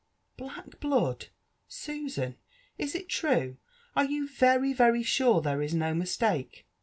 " Black blood, Susanf? Is it true? are you very, very sure there is no mistake